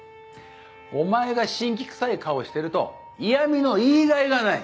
お前が辛気くさい顔してると嫌みの言いがいがない！